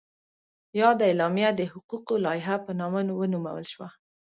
یاده اعلامیه د حقوقو لایحه په نامه ونومول شوه.